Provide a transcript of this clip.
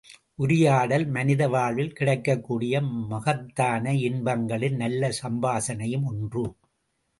உரையாடல் மனித வாழ்வில் கிடைக்கக்கூடிய மகத்தான இன்பங்களில் நல்ல சம்பாஷணையும் ஒன்று.